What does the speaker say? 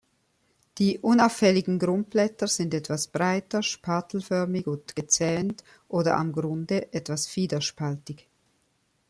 Die unauffälligen Grundblätter sind etwas breiter spatelförmig und gezähnt oder am Grunde etwas fiederspaltig.